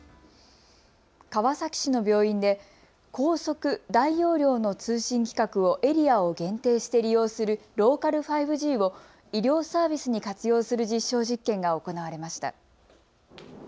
川崎市の病院で高速・大容量の通信規格をエリアを限定して利用するローカル５Ｇを医療サービスに活用する実証実験が行われました。